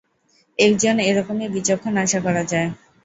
একজন এরকমই বিচক্ষণ, আশা করা যায়।